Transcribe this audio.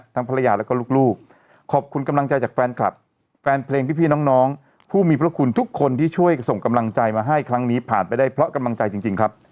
ภรรยาแล้วก็ลูกขอบคุณกำลังใจจากแฟนคลับแฟนเพลงพี่น้องผู้มีพระคุณทุกคนที่ช่วยส่งกำลังใจมาให้ครั้งนี้ผ่านไปได้เพราะกำลังใจจริงครับ